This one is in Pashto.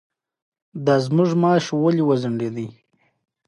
آیا ایران له افغانستان سره ګډه پوله نلري؟